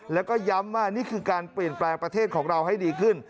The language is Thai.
แล้วก็ย้ำว่านี่คือการเปลี่ยนแปลงประเทศของเราให้ดีขึ้น